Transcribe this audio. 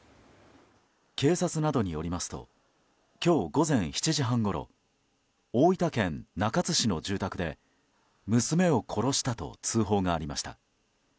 警察などによりますと今日午前７時半ごろ大分県中津市の住宅で娘を殺したと通報がありました。